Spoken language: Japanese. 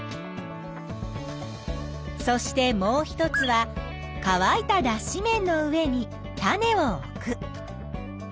そしてもう一つはかわいただっし綿の上に種を置く。